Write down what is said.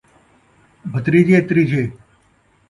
بھتریجے تریجھے